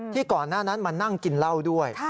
ก่อนหน้านั้นมานั่งกินเหล้าด้วย